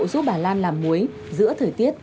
giúp bà lan làm muối giữa thời tiết